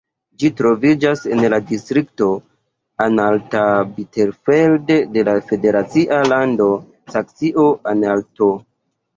Ĝi troviĝas en la distrikto Anhalt-Bitterfeld de la federacia lando Saksio-Anhalto.